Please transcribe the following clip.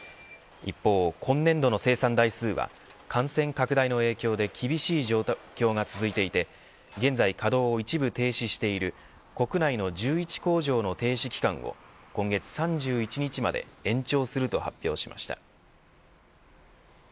一方、今年度の生産台数は感染拡大の影響で厳しい状況が続いていて現在稼働を一部停止している国内の１１工場の停止期間を今月３１日まで延長すると発表しました。